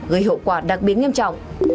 gây hậu quả đặc biệt nghiêm trọng